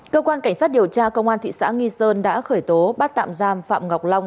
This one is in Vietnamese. cơ quan cảnh sát điều tra công an thị xã nghi sơn đã khởi tố bắt tạm giam phạm ngọc long